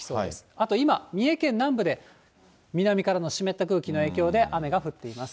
あと今、三重県南部で南からの湿った空気の影響で雨が降っています。